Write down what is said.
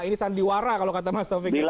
ini sandiwara kalau kata mas taufik